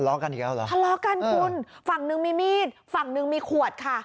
กันอีกแล้วเหรอทะเลาะกันคุณฝั่งหนึ่งมีมีดฝั่งหนึ่งมีขวดค่ะ